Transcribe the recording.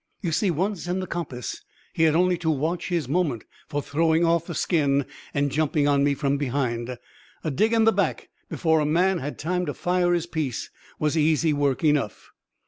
You see, once in the coppice he had only to watch his moment for throwing off the skin and jumping on me from behind; a dig in the back before a man had time to fire his piece was easy work enough.